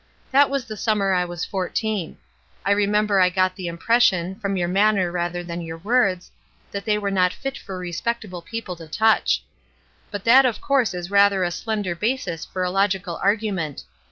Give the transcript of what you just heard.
That was the summer that I was fourteen. I remember I got the impression, from your manner rather than your words, that they were not fit for respectable people to touch. But that of course is rather a slender basis for a logical argument.